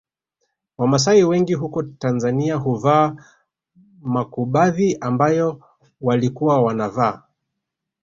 Wamasai wengi huko Tanzania huvaa makubadhi ambayo walikuwa wanavaa